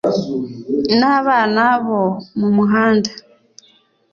N abana bo mu muhanda